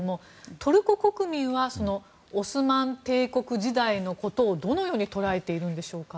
トルコ国民はオスマン帝国時代のことをどのように捉えているんでしょうか。